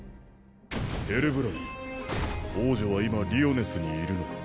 ヘルブラム王女は今リオネスにいるのか？